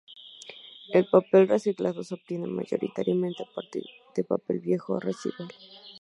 El papel reciclado se obtiene mayoritariamente a partir de papel viejo o residual.